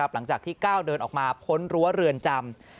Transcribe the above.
หลังจากที่ก้าวเดินออกมาพ้นรั้วเรือนจำ